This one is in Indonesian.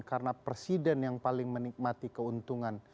karena presiden yang paling menikmati keuntungan